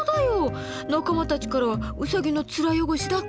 仲間たちからはうさぎの面汚しだって。